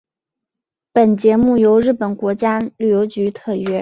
本节目由日本国家旅游局特约。